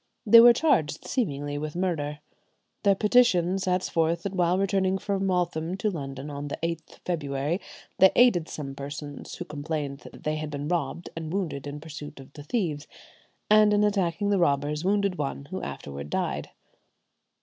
They were charged seemingly with murder. Their petition sets forth that while returning from Waltham to London, on the 8th February, they aided some persons, who complained that they had been robbed and wounded in pursuit of the thieves, and in attacking the robbers wounded one who afterward died.